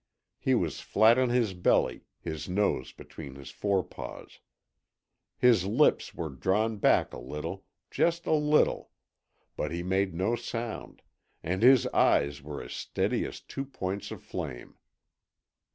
He was flat on his belly, his nose between his forepaws. His lips were drawn back a little, just a little; but he made no sound, and his eyes were as steady as two points of flame.